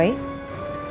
gue ke rumah bu